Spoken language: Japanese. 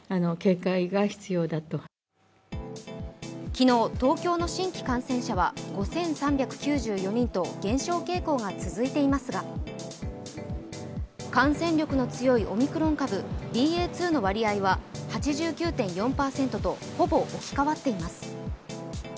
昨日、東京の新規感染者は５３９４人と減少傾向が続いていますが、感染力の強いオミクロン株ＢＡ．２の割合は８９．４％と、ほぼ置き換わっています。